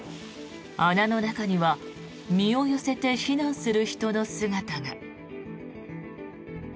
穴の中には身を寄せて避難する人の姿が。